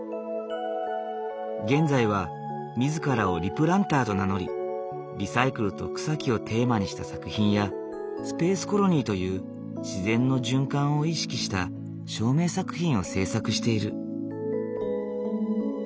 現在は自らをリプランターと名乗りリサイクルと草木をテーマにした作品やスペースコロニーという自然の循環を意識した照明作品を制作している。